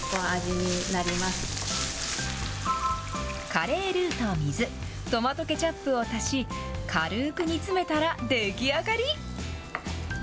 カレールーと水、トマトケチャップを足し、軽く煮詰めたら出来上がり。